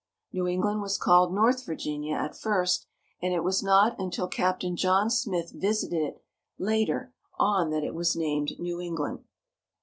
New England was called North Virginia at first, and it was not until Captain John Smith visited it later on that .it was named New England.